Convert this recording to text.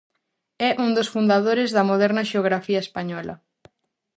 É un dos fundadores da moderna xeografía española.